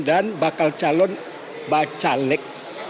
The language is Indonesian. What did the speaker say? dan bakal calon bacalek